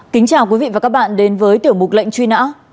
kính chào quý vị và các bạn đến với tiểu mục lệnh truy nã